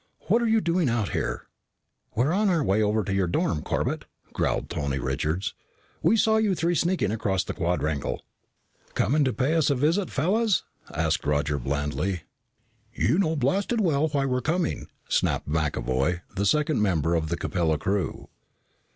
"What are you doing out here?" "We were on our way over to your dorm, Corbett," growled Tony Richards. "We saw you three sneaking across the quadrangle." "Coming to pay us a visit, fellas?" asked Roger blandly. "You know blasted well why we were coming," snapped McAvoy, the second member of the Capella crew.